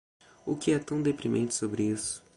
O que é tão deprimente sobre isso?